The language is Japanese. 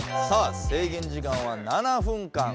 さあ制限時間は７分間。